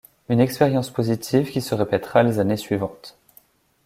Une expérience positive qui se répétera les années suivantes.